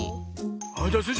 じゃあスイ